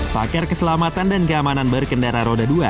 pakar keselamatan dan keamanan berkendara roda dua